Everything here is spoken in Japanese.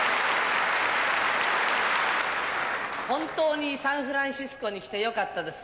本当にサンフランシスコに来てよかったです。